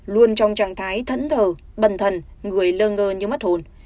luôn trong trạng thái thẫn thờ bần thần người lơ ngơ như mất hồn